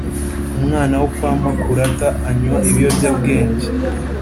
umwana wokwamakurata anywa ibiyobya bwenge